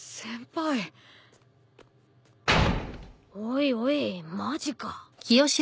・おいおいマジか。